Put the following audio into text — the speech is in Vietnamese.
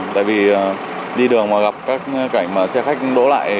tại vì đi đường mà gặp các cảnh mà xe khách đỗ lại